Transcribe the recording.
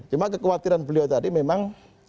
cuma kekhawatiran beliau tadi memang